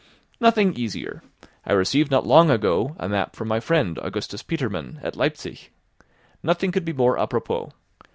"Nothing easier. I received not long ago a map from my friend, Augustus Petermann, at Liepzig. Nothing could be more apropos.